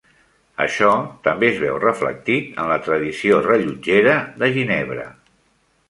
Això també es veu reflectit en la tradició rellotgera de Ginebra.